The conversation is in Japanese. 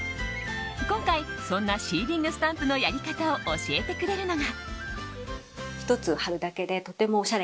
今回、そんなシーリングスタンプのやり方を教えてくれるのが。